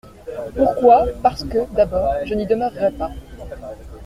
Pourquoi ? Parce que, d'abord, je n'y demeurerai pas.